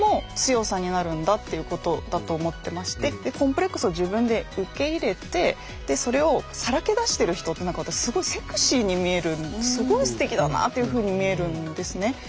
私はやっぱりコンプレックスを自分で受け入れてそれをさらけ出してる人ってなんか私すごいセクシーに見えるすごいすてきだなっていうふうに見えるんですね。